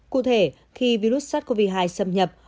cụ thể khi virus sars cov hai xâm nhập